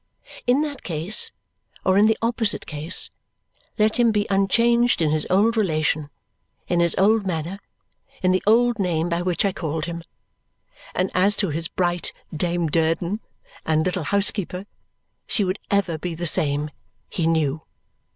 In that case, or in the opposite case, let him be unchanged in his old relation, in his old manner, in the old name by which I called him. And as to his bright Dame Durden and little housekeeper, she would ever be the same, he knew.